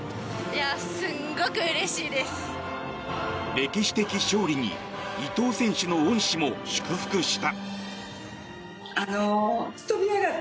歴史的勝利に伊藤選手の恩師も祝福した。